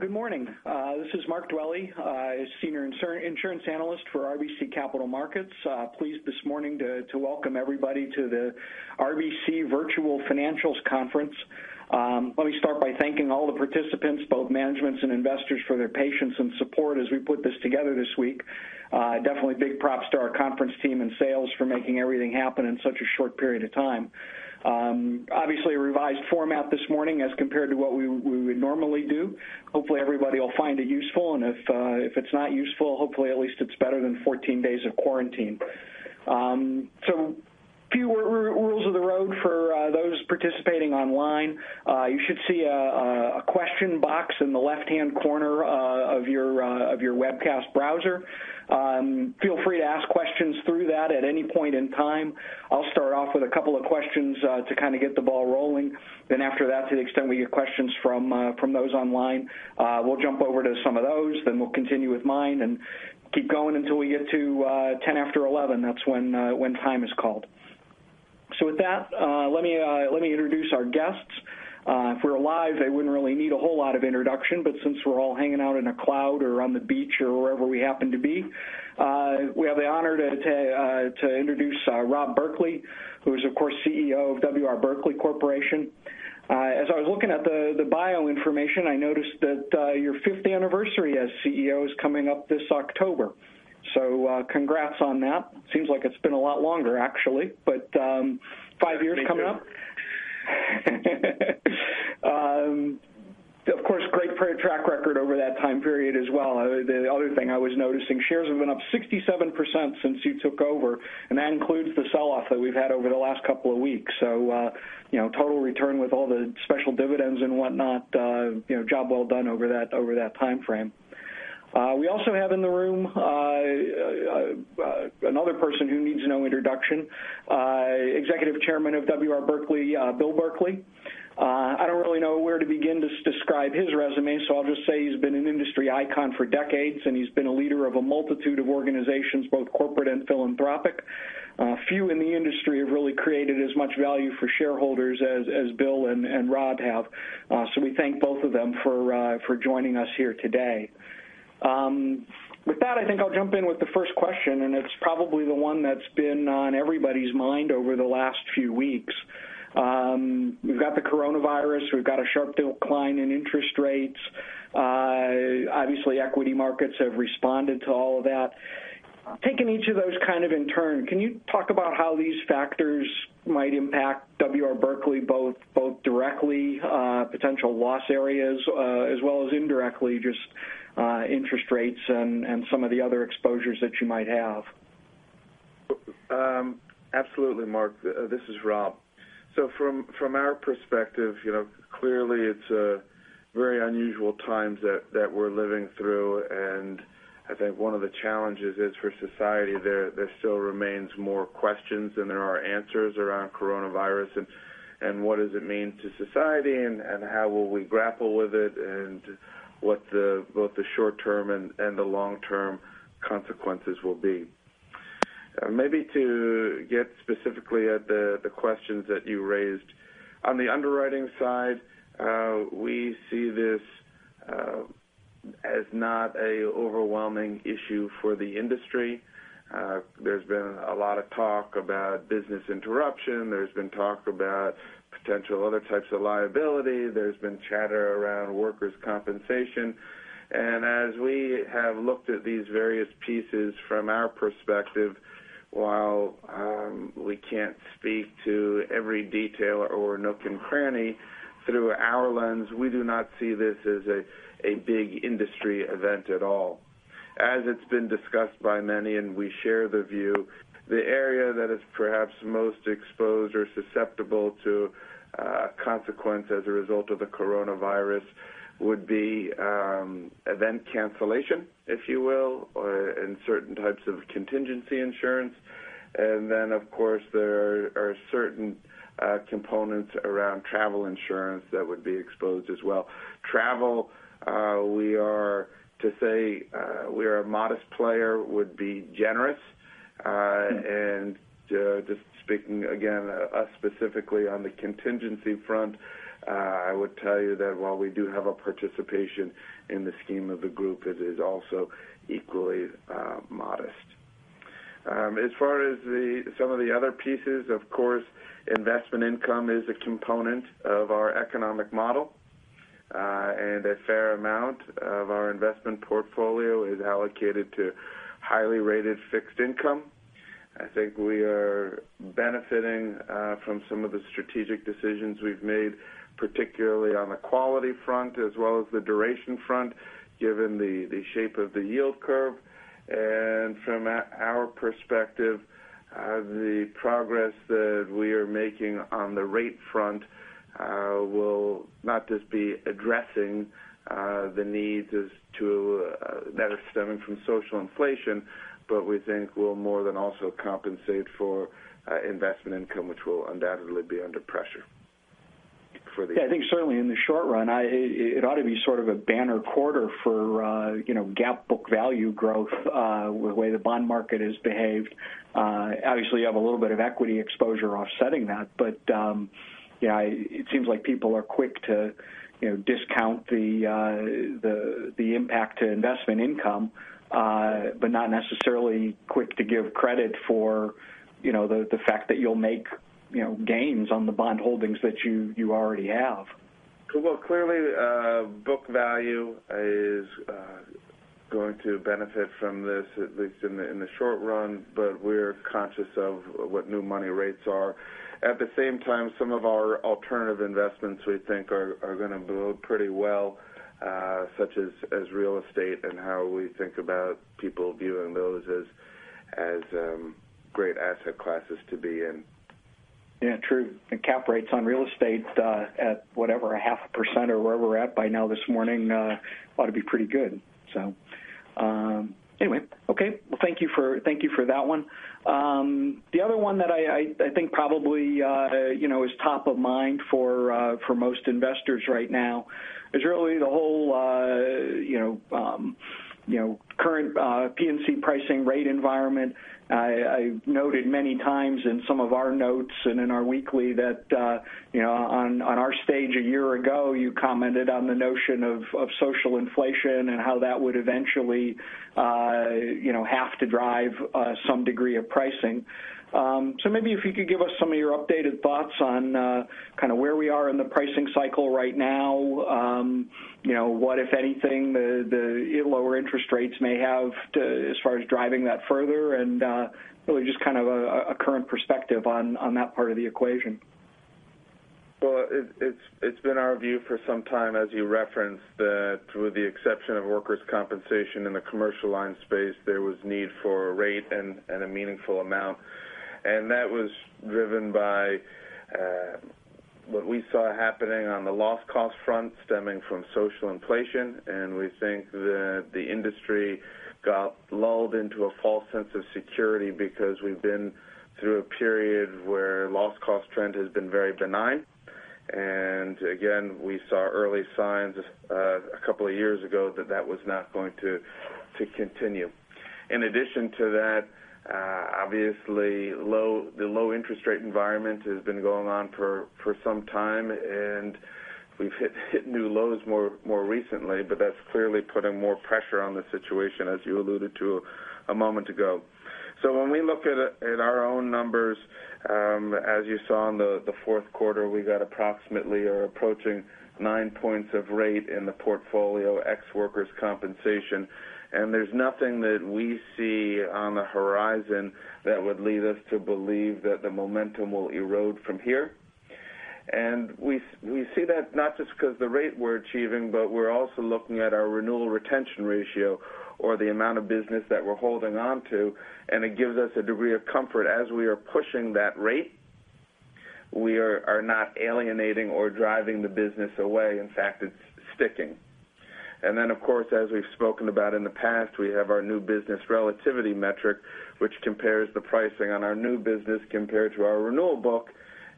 Good morning. This is Mark Dwelle, senior insurance analyst for RBC Capital Markets. Pleased this morning to welcome everybody to the RBC Virtual Financials Conference. Let me start by thanking all the participants, both managements and investors, for their patience and support as we put this together this week. Definitely big props to our conference team and sales for making everything happen in such a short period of time. Obviously, a revised format this morning as compared to what we would normally do. Hopefully, everybody will find it useful, and if it's not useful, hopefully at least it's better than 14 days of quarantine. A few rules of the road for those participating online. You should see a question box in the left-hand corner of your webcast browser. Feel free to ask questions through that at any point in time. I'll start off with a couple of questions to kind of get the ball rolling. After that, to the extent we get questions from those online, we'll jump over to some of those, then we'll continue with mine and keep going until we get to 10 after 11. That's when time is called. With that, let me introduce our guests. If we were live, they wouldn't really need a whole lot of introduction, but since we're all hanging out in a cloud or on the beach or wherever we happen to be, we have the honor to introduce Rob Berkley, who is, of course, CEO of W. R. Berkley Corporation. As I was looking at the bio information, I noticed that your fifth anniversary as CEO is coming up this October. Congrats on that. Seems like it's been a lot longer, actually, but five years coming up. Thank you. Of course, great track record over that time period as well. The other thing I was noticing, shares have been up 67% since you took over, and that includes the sell-off that we've had over the last couple of weeks. Total return with all the special dividends and whatnot, job well done over that timeframe. We also have in the room another person who needs no introduction, Executive Chairman of W. R. Berkley, Bill Berkley. I don't really know where to begin to describe his resume, so I'll just say he's been an industry icon for decades, and he's been a leader of a multitude of organizations, both corporate and philanthropic. Few in the industry have really created as much value for shareholders as Bill and Rob have. We thank both of them for joining us here today. With that, I think I'll jump in with the first question. It's probably the one that's been on everybody's mind over the last few weeks. We've got the coronavirus, we've got a sharp decline in interest rates. Obviously, equity markets have responded to all of that. Taking each of those kind of in turn, can you talk about how these factors might impact W. R. Berkley, both directly potential loss areas as well as indirectly just interest rates and some of the other exposures that you might have? Absolutely, Mark. This is Rob. From our perspective, clearly it's very unusual times that we're living through, and I think one of the challenges is for society, there still remains more questions than there are answers around coronavirus and what does it mean to society and how will we grapple with it and what both the short-term and the long-term consequences will be. Maybe to get specifically at the questions that you raised, on the underwriting side, we see this as not an overwhelming issue for the industry. There's been a lot of talk about business interruption. There's been talk about potential other types of liability. There's been chatter around workers' compensation. As we have looked at these various pieces from our perspective, while we can't speak to every detail or nook and cranny, through our lens, we do not see this as a big industry event at all. As it's been discussed by many, and we share the view, the area that is perhaps most exposed or susceptible to consequence as a result of the coronavirus would be event cancellation, if you will, and certain types of contingency insurance. Then, of course, there are certain components around travel insurance that would be exposed as well. Travel, to say we're a modest player would be generous. Just speaking again, us specifically on the contingency front, I would tell you that while we do have a participation in the scheme of the group, it is also equally modest. As far as some of the other pieces, of course, investment income is a component of our economic model. A fair amount of our investment portfolio is allocated to highly rated fixed income. I think we are benefiting from some of the strategic decisions we've made, particularly on the quality front as well as the duration front, given the shape of the yield curve. From our perspective, the progress that we are making on the rate front will not just be addressing the needs that are stemming from social inflation, but we think will more than also compensate for investment income, which will undoubtedly be under pressure. I think certainly in the short run, it ought to be sort of a banner quarter for GAAP book value growth, the way the bond market has behaved. Obviously, you have a little bit of equity exposure offsetting that. It seems like people are quick to discount the impact to investment income, not necessarily quick to give credit for the fact that you'll make gains on the bond holdings that you already have. Clearly, book value is going to benefit from this, at least in the short run, but we're conscious of what new money rates are. At the same time, some of our alternative investments we think are going to build pretty well, such as real estate and how we think about people viewing those as great asset classes to be in. True. Cap rates on real estate at whatever, 0.5% or where we're at by now this morning, ought to be pretty good. Okay. Well, thank you for that one. The other one that I think probably is top of mind for most investors right now is really the whole current P&C pricing rate environment. I've noted many times in some of our notes and in our weekly that on our stage a year ago, you commented on the notion of social inflation and how that would eventually have to drive some degree of pricing. Maybe if you could give us some of your updated thoughts on kind of where we are in the pricing cycle right now, what if anything, the lower interest rates may have as far as driving that further and really just kind of a current perspective on that part of the equation. It's been our view for some time, as you referenced, that with the exception of workers' compensation in the commercial line space, there was need for a rate and a meaningful amount. That was driven by what we saw happening on the loss cost front stemming from social inflation, and we think that the industry got lulled into a false sense of security because we've been through a period where loss cost trend has been very benign. Again, we saw early signs a couple of years ago that that was not going to continue. In addition to that, obviously, the low interest rate environment has been going on for some time, and we've hit new lows more recently, but that's clearly putting more pressure on the situation, as you alluded to a moment ago. When we look at our own numbers, as you saw in the fourth quarter, we've got approximately or approaching nine points of rate in the portfolio, ex workers' compensation. There's nothing that we see on the horizon that would lead us to believe that the momentum will erode from here. We see that not just because the rate we're achieving, but we're also looking at our renewal retention ratio or the amount of business that we're holding onto, and it gives us a degree of comfort. As we are pushing that rate, we are not alienating or driving the business away. In fact, it's sticking. Then, of course, as we've spoken about in the past, we have our new business relativity metric, which compares the pricing on our new business compared to our renewal book.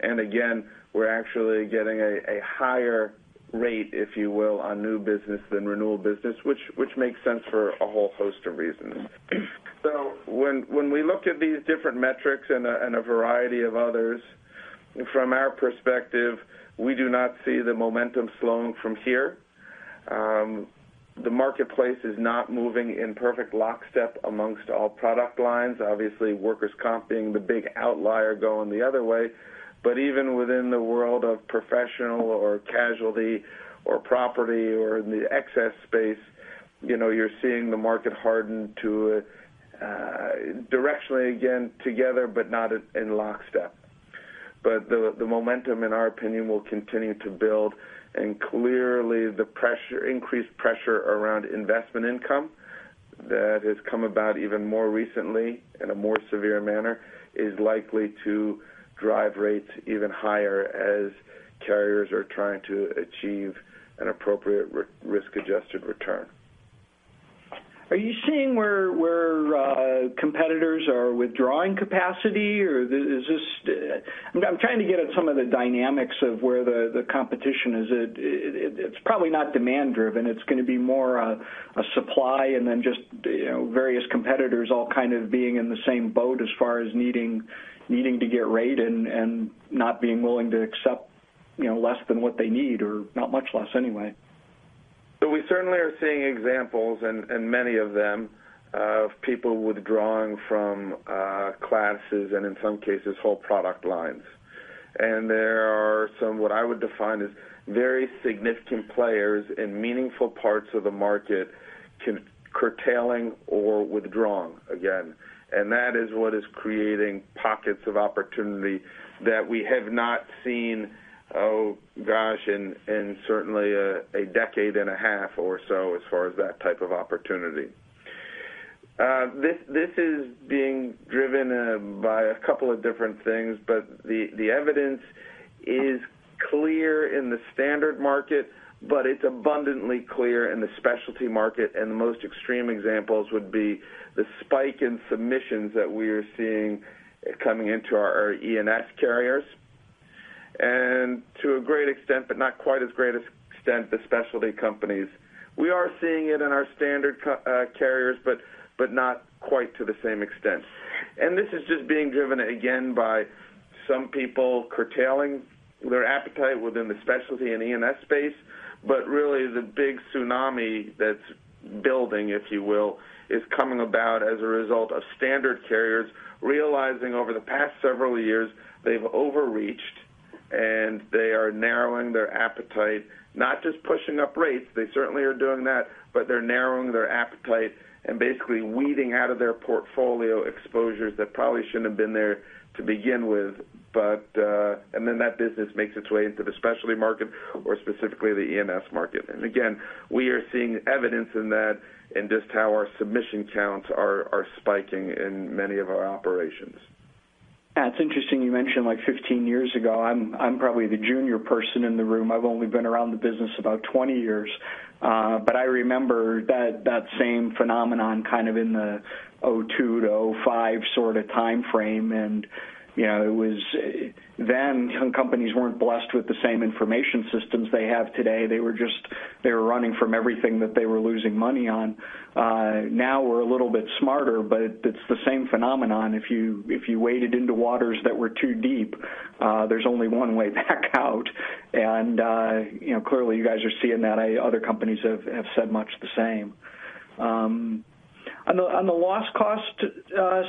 Again, we're actually getting a higher rate, if you will, on new business than renewal business, which makes sense for a whole host of reasons. When we look at these different metrics and a variety of others, from our perspective, we do not see the momentum slowing from here. The marketplace is not moving in perfect lockstep amongst all product lines. Obviously, workers' comp being the big outlier going the other way. Even within the world of professional or casualty or property or in the excess space, you're seeing the market harden to directionally again together, but not in lockstep. But the momentum, in our opinion, will continue to build. Clearly, the increased pressure around investment income that has come about even more recently in a more severe manner is likely to drive rates even higher as carriers are trying to achieve an appropriate risk-adjusted return. Are you seeing where competitors are withdrawing capacity? I'm trying to get at some of the dynamics of where the competition is. It's probably not demand driven. It's going to be more a supply and then just various competitors all kind of being in the same boat as far as needing to get rate and not being willing to accept less than what they need or not much less anyway. We certainly are seeing examples, and many of them, of people withdrawing from classes and in some cases, whole product lines. There are some, what I would define as very significant players in meaningful parts of the market curtailing or withdrawing again. That is what is creating pockets of opportunity that we have not seen, oh, gosh, in certainly a decade and a half or so as far as that type of opportunity. This is being driven by a couple of different things, the evidence is clear in the standard market, it's abundantly clear in the specialty market. The most extreme examples would be the spike in submissions that we are seeing coming into our E&S carriers to a great extent, but not quite as great extent, the specialty companies. We are seeing it in our standard carriers, not quite to the same extent. This is just being driven, again, by some people curtailing their appetite within the specialty and E&S space. Really, the big tsunami that's building, if you will, is coming about as a result of standard carriers realizing over the past several years they've overreached, they are narrowing their appetite, not just pushing up rates, they certainly are doing that, they're narrowing their appetite and basically weeding out of their portfolio exposures that probably shouldn't have been there to begin with. That business makes its way into the specialty market or specifically the E&S market. Again, we are seeing evidence in that in just how our submission counts are spiking in many of our operations. That's interesting you mention 15 years ago. I'm probably the junior person in the room. I've only been around the business about 20 years. I remember that same phenomenon kind of in the 2002 to 2005 sort of timeframe. Companies weren't blessed with the same information systems they have today. They were running from everything that they were losing money on. Now we're a little bit smarter, it's the same phenomenon. If you waded into waters that were too deep, there's only one way back out. Clearly, you guys are seeing that. Other companies have said much the same. On the loss cost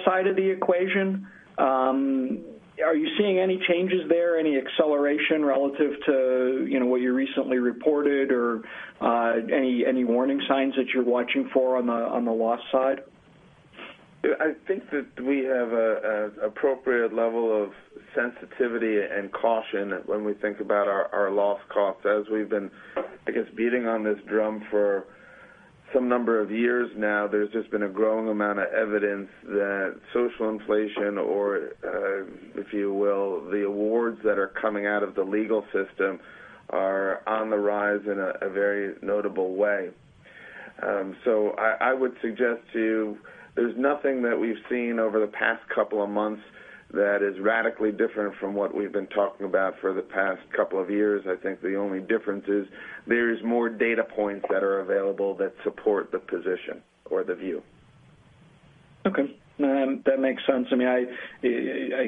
side of the equation, are you seeing any changes there, any acceleration relative to what you recently reported or any warning signs that you're watching for on the loss side? I think that we have appropriate level of sensitivity and caution when we think about our loss costs. As we've been, I guess, beating on this drum for some number of years now, there's just been a growing amount of evidence that social inflation or, if you will, the awards that are coming out of the legal system are on the rise in a very notable way. I would suggest to you, there's nothing that we've seen over the past couple of months that is radically different from what we've been talking about for the past couple of years. I think the only difference is there is more data points that are available that support the position or the view. Okay. That makes sense. I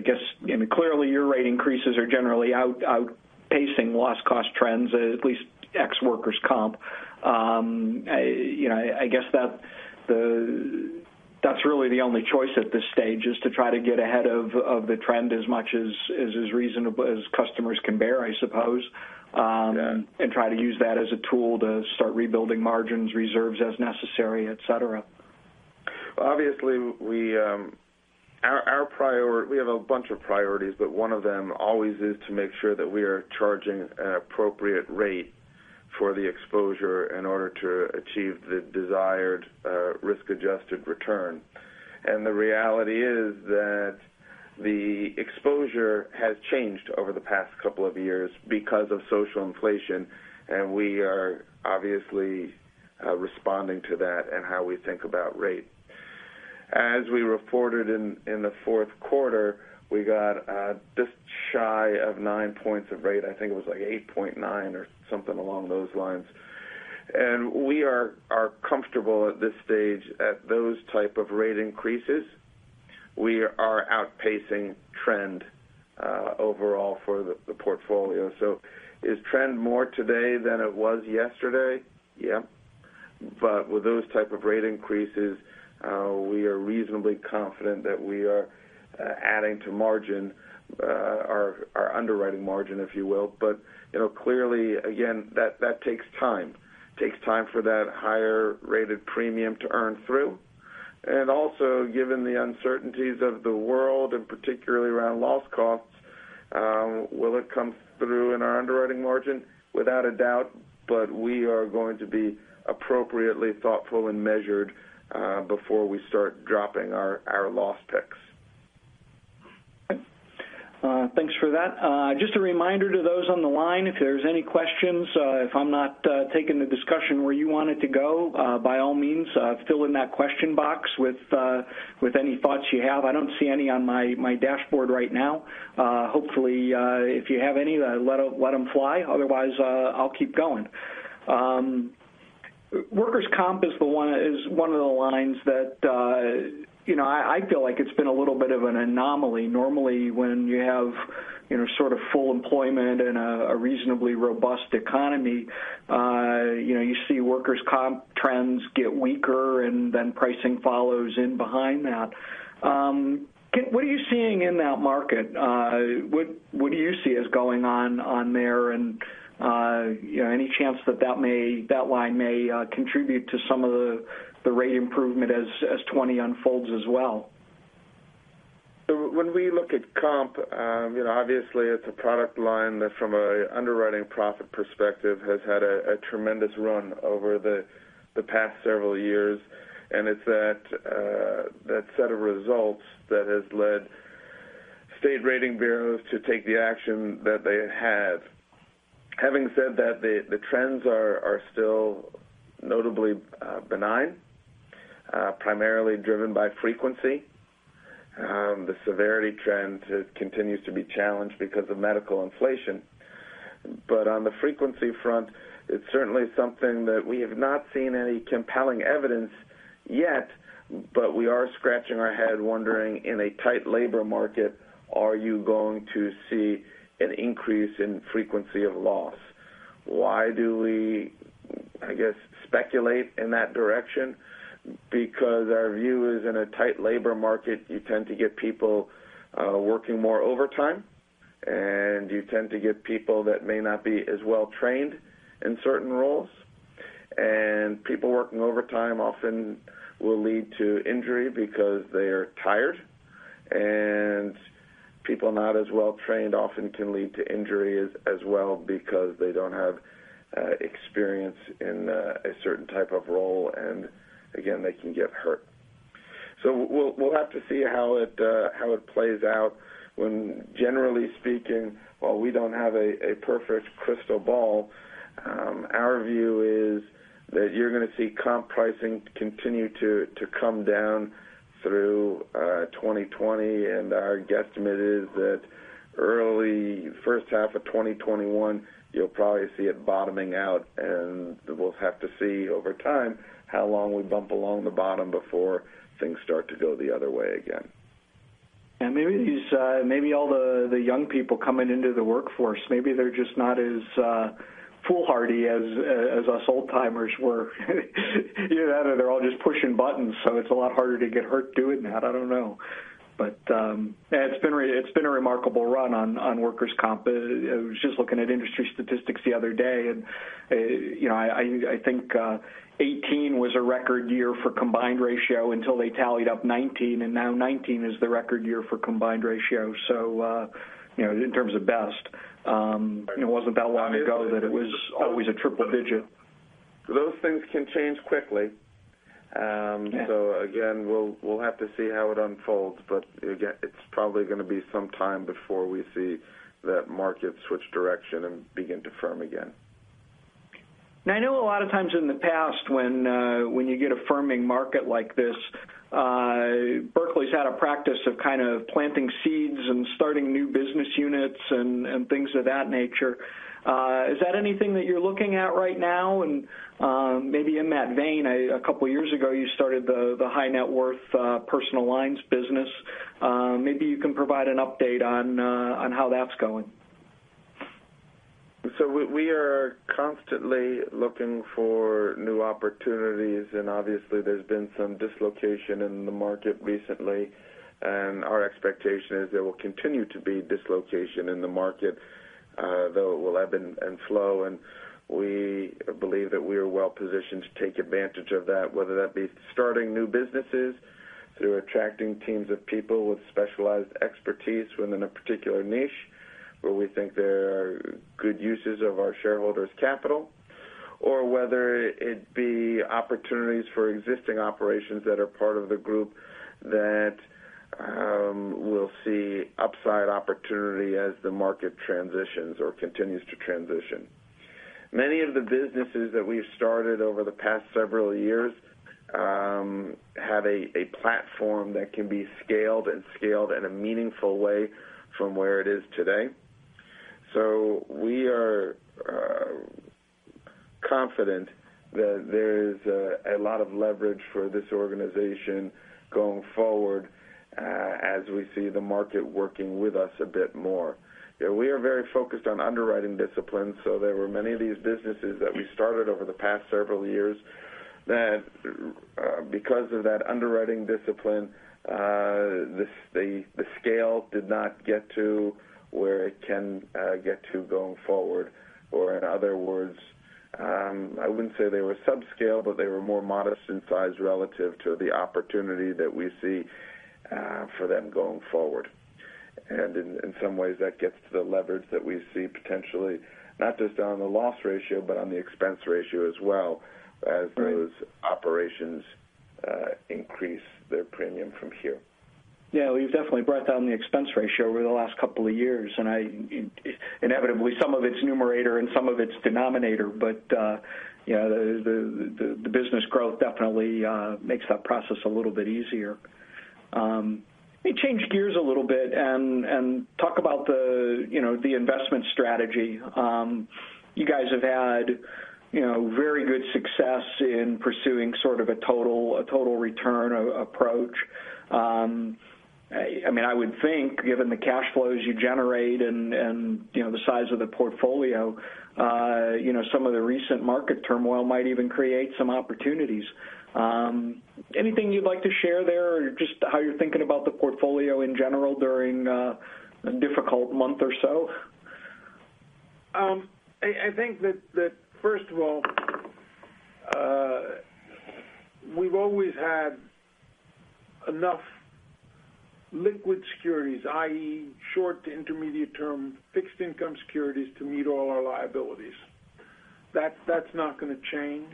guess, clearly your rate increases are generally outpacing loss cost trends, at least ex workers' comp. I guess that's really the only choice at this stage, is to try to get ahead of the trend as much as is reasonable as customers can bear, I suppose. Yeah. Try to use that as a tool to start rebuilding margins, reserves as necessary, et cetera. Obviously, we have a bunch of priorities, but one of them always is to make sure that we are charging an appropriate rate for the exposure in order to achieve the desired risk-adjusted return. The reality is that the exposure has changed over the past couple of years because of social inflation, and we are obviously responding to that and how we think about rate. As we reported in the fourth quarter, we got just shy of nine points of rate. I think it was like 8.9 or something along those lines. We are comfortable at this stage at those type of rate increases. We are outpacing trend overall for the portfolio. Is trend more today than it was yesterday? Yeah. With those type of rate increases, we are reasonably confident that we are adding to margin, our underwriting margin, if you will. Clearly, again, that takes time. Takes time for that higher rated premium to earn through. Also, given the uncertainties of the world and particularly around loss costs, will it come through in our underwriting margin? Without a doubt, but we are going to be appropriately thoughtful and measured before we start dropping our loss picks. Okay. Thanks for that. Just a reminder to those on the line, if there's any questions, if I'm not taking the discussion where you want it to go, by all means, fill in that question box with any thoughts you have. I don't see any on my dashboard right now. Hopefully, if you have any, let them fly. Otherwise, I'll keep going. Workers' comp is one of the lines that I feel like it's been a little bit of an anomaly. Normally, when you have sort of full employment and a reasonably robust economy, you see workers' comp trends get weaker and then pricing follows in behind that. What are you seeing in that market? What do you see is going on there? Any chance that line may contribute to some of the rate improvement as 2020 unfolds as well? When we look at comp, obviously it's a product line that from an underwriting profit perspective, has had a tremendous run over the past several years, and it's that set of results that has led state rating bureaus to take the action that they have. Having said that, the trends are still notably benign, primarily driven by frequency. The severity trend continues to be challenged because of medical inflation. On the frequency front, it's certainly something that we have not seen any compelling evidence yet, but we are scratching our head wondering, in a tight labor market, are you going to see an increase in frequency of loss? Why do we, I guess, speculate in that direction? Because our view is, in a tight labor market, you tend to get people working more overtime, and you tend to get people that may not be as well trained in certain roles. People working overtime often will lead to injury because they are tired, and people not as well trained often can lead to injuries as well because they don't have experience in a certain type of role, and again, they can get hurt. We'll have to see how it plays out when, generally speaking, while we don't have a perfect crystal ball, our view is that you're going to see comp pricing continue to come down through 2020, and our guesstimate is that early first half of 2021, you'll probably see it bottoming out, and we'll have to see over time how long we bump along the bottom before things start to go the other way again. Maybe all the young people coming into the workforce, maybe they're just not as foolhardy as us old-timers were. Either that or they're all just pushing buttons, so it's a lot harder to get hurt doing that, I don't know. It's been a remarkable run on workers' comp. I was just looking at industry statistics the other day. I think 2018 was a record year for combined ratio until they tallied up 2019, and now 2019 is the record year for combined ratio. In terms of best, it wasn't that long ago that it was always a triple-digit. Those things can change quickly. Again, we'll have to see how it unfolds. Again, it's probably going to be some time before we see that market switch direction and begin to firm again. I know a lot of times in the past when you get a firming market like this, Berkley's had a practice of kind of planting seeds and starting new business units and things of that nature. Is that anything that you're looking at right now? Maybe in that vein, a couple of years ago, you started the high net worth personal lines business. Maybe you can provide an update on how that's going. We are constantly looking for new opportunities. Obviously there's been some dislocation in the market recently. Our expectation is there will continue to be dislocation in the market, though it will ebb and flow. We believe that we are well-positioned to take advantage of that, whether that be starting new businesses through attracting teams of people with specialized expertise within a particular niche where we think there are good uses of our shareholders' capital, or whether it be opportunities for existing operations that are part of the group that we'll see upside opportunity as the market transitions or continues to transition. Many of the businesses that we've started over the past several years have a platform that can be scaled and scaled in a meaningful way from where it is today. We are confident that there is a lot of leverage for this organization going forward as we see the market working with us a bit more. We are very focused on underwriting discipline, there were many of these businesses that we started over the past several years that because of that underwriting discipline, the scale did not get to where it can get to going forward. In other words, I wouldn't say they were subscale, but they were more modest in size relative to the opportunity that we see for them going forward. In some ways, that gets to the leverage that we see potentially, not just on the loss ratio, but on the expense ratio as well as those operations increase their premium from here. You've definitely brought down the expense ratio over the last couple of years, inevitably some of it's numerator and some of it's denominator, but the business growth definitely makes that process a little bit easier. Let me change gears a little bit and talk about the investment strategy. You guys have had very good success in pursuing sort of a total return approach. I would think given the cash flows you generate and the size of the portfolio, some of the recent market turmoil might even create some opportunities. Anything you'd like to share there or just how you're thinking about the portfolio in general during a difficult month or so? I think that first of all, we've always had enough liquid securities, i.e., short to intermediate term fixed income securities to meet all our liabilities. That's not going to change.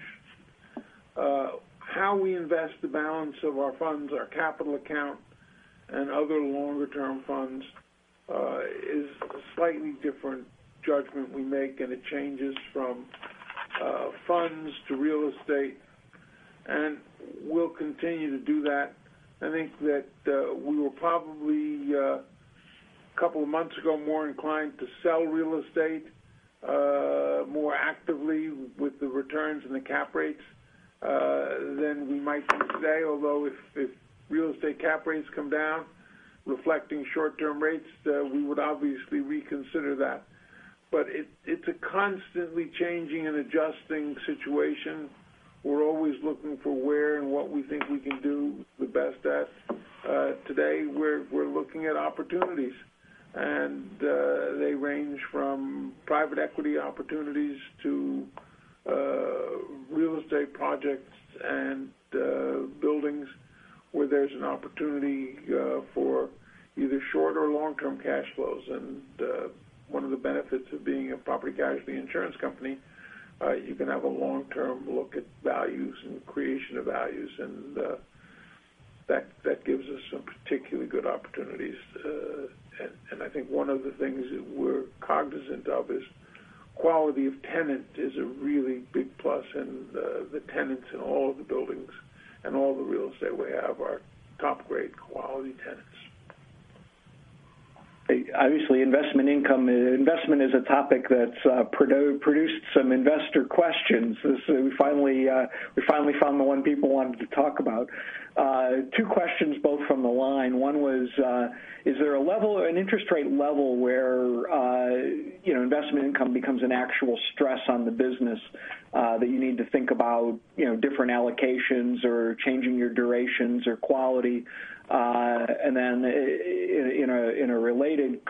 How we invest the balance of our funds, our capital account, other longer-term funds is a slightly different judgment we make, it changes from funds to real estate, we'll continue to do that. I think that we were probably, a couple of months ago, more inclined to sell real estate more actively with the returns and the cap rates than we might be today. Although, if real estate cap rates come down reflecting short-term rates, we would obviously reconsider that. It's a constantly changing and adjusting situation. We're always looking for where and what we think we can do the best at. Today, we're looking at opportunities, they range from private equity opportunities to real estate projects and buildings where there's an opportunity for either short or long-term cash flows. One of the benefits of being a property casualty insurance company, you can have a long-term look at values and creation of values, and that gives us some particularly good opportunities. I think one of the things that we're cognizant of is quality of tenant is a really big plus, and the tenants in all of the buildings and all the real estate we have are top-grade quality tenants. Obviously, investment income. Investment is a topic that's produced some investor questions. We finally found the one people wanted to talk about. 2 questions, both from the line. One was, is there an interest rate level where investment income becomes an actual stress on the business that you need to think about different allocations or changing your durations or quality? Then in a related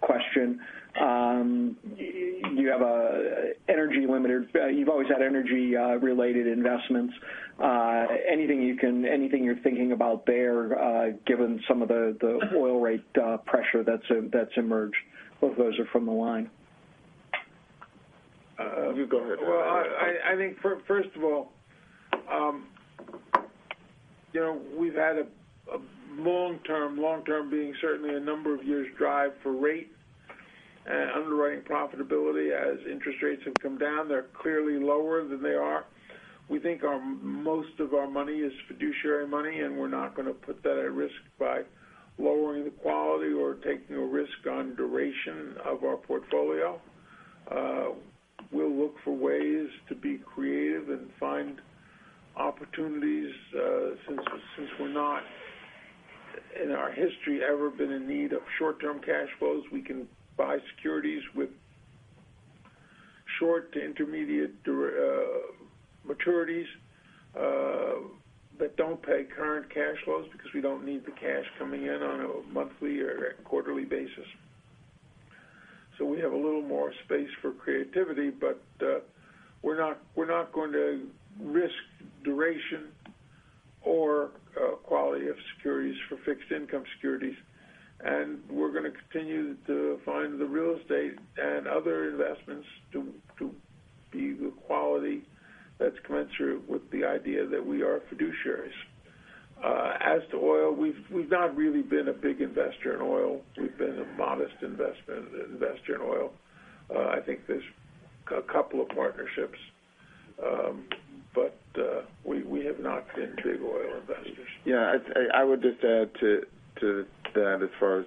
question, you have an energy limiter. You've always had energy-related investments. Anything you're thinking about there given some of the oil rate pressure that's emerged? Both of those are from the line. You go ahead. Well, I think first of all, we've had a long-term being certainly a number of years drive for rate and underwriting profitability as interest rates have come down. They're clearly lower than they are. We think most of our money is fiduciary money, we're not going to put that at risk by lowering the quality or taking a risk on duration of our portfolio. We'll look for ways to be creative and find opportunities since we're not, in our history, ever been in need of short-term cash flows. We can buy securities with short to intermediate maturities that don't pay current cash flows because we don't need the cash coming in on a monthly or quarterly basis. We have a little more space for creativity, but we're not going to risk duration or quality of securities for fixed income securities. We're going to continue to find the real estate and other investments to be the quality that's commensurate with the idea that we are fiduciaries. As to oil, we've not really been a big investor in oil. We've been a modest investor in oil. I think there's a couple of partnerships, but we have not been big oil investors. Yeah. I would just add to that as far as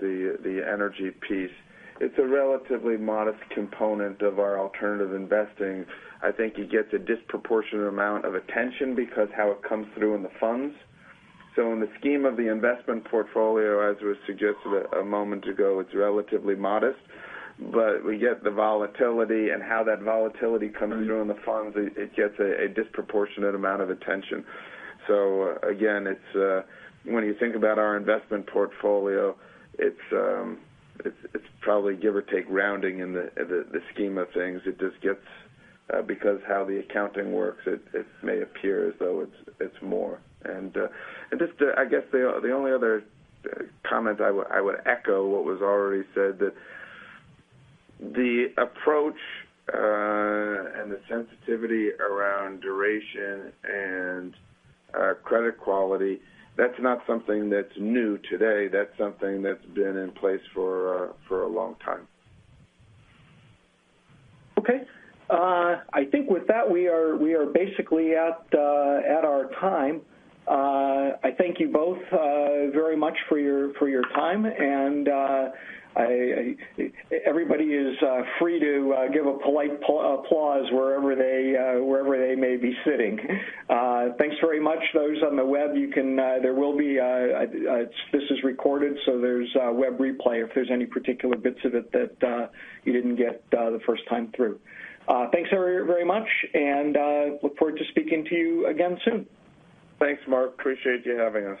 the energy piece. It's a relatively modest component of our alternative investing. I think it gets a disproportionate amount of attention because of how it comes through in the funds. In the scheme of the investment portfolio, as was suggested a moment ago, it's relatively modest, but we get the volatility, and how that volatility comes in through in the funds, it gets a disproportionate amount of attention. Again, when you think about our investment portfolio, it's probably give or take rounding in the scheme of things. Because how the accounting works, it may appear as though it's more. I guess the only other comment I would echo what was already said that the approach and the sensitivity around duration and credit quality, that's not something that's new today. That's something that's been in place for a long time. Okay. I think with that, we are basically at our time. I thank you both very much for your time, and everybody is free to give a polite applause wherever they may be sitting. Thanks very much. Those on the web, this is recorded, so there's a web replay if there's any particular bits of it that you didn't get the first time through. Thanks very much, and look forward to speaking to you again soon. Thanks, Mark. Appreciate you having us.